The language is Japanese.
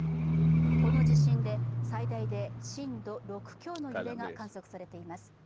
この地震で最大で震度６強の揺れが観測されています。